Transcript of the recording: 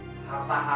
ketika mengambil haram